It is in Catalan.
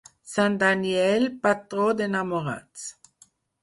Sant Daniel, patró d'enamorats.